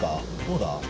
どうだ？